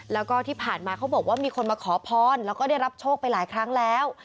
แล้วก็ที่ผ่านมาเขาบอกว่ามีคนมาขอพรแล้วก็ได้รับโชคไปหลายครั้งแล้ว